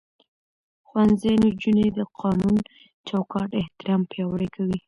ښوونځی نجونې د قانوني چوکاټ احترام پياوړې کوي.